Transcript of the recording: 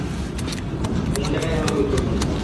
ছমুচাটাই হল গুরুত্বপূর্ণ।